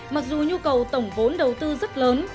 mặc dù nhu cầu tổng vốn đầu tư rất lớn